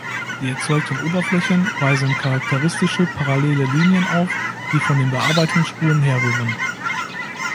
Die erzeugten Oberflächen weisen charakteristische parallele Linien auf, die von den Bearbeitungsspuren herrühren.